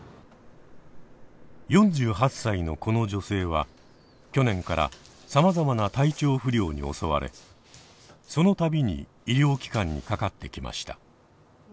４８歳のこの女性は去年からさまざまな体調不良に襲われその度に医療機関にかかってきました。